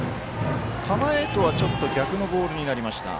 構えとはちょっと逆のボールになりました。